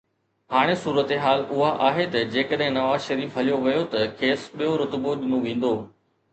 هاڻي صورتحال اها آهي ته جيڪڏهن نواز شريف هليو ويو ته کيس ٻيو رتبو ڏنو ويندو